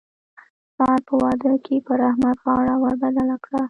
سار په واده کې پر احمد غاړه ور بدله کړه.